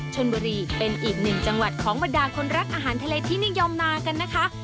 ชนบุรีเป็นอีกหนึ่งจังหวัดของบรรดาคนรักอาหารทะเลที่นิยมมากันนะคะ